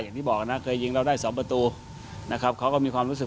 กุญสือทีมชาติไทยเปิดเผยว่าน่าจะไม่มีปัญหาสำหรับเกมในนัดชนะเลิศครับ